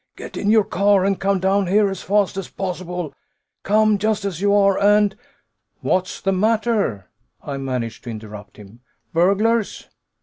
"Get in your car and come down here as fast as possible. Come just as you are, and ""What's the matter?" I managed to interrupt him. "Burglars?"